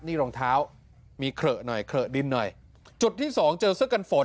นี่รองเท้ามีเขละหน่อยเขละดินหน่อยจุดที่สองเจอเสื้อกันฝน